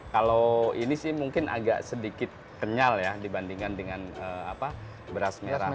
kalau ini sih mungkin agak sedikit kenyal ya dibandingkan dengan beras merah